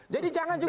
jadi jangan juga